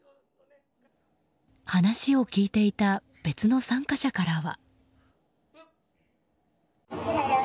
話を聞いていた別の参加者からは。